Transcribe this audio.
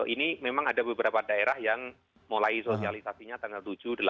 ini memang ada beberapa daerah yang mulai sosialisasinya tanggal tujuh delapan